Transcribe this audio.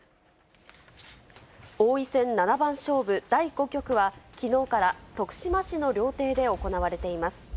王位戦七番勝負第５局は、きのうから徳島市の料亭で行われています。